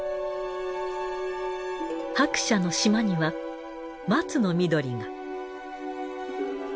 白砂の島には松の緑が。